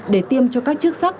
để tiêm cho các chức sắc